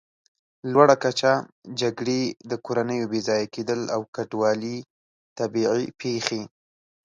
لوړه کچه، جګړې، د کورنیو بېځایه کېدل او کډوالي، طبیعي پېښې